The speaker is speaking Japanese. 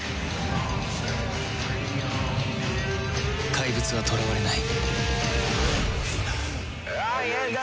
怪物は囚われない